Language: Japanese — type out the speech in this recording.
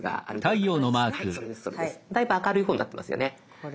だいぶ明るい方になってますよね。